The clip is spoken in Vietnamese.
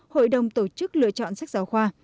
hội đồng tổ chức lựa chọn sách giáo khoa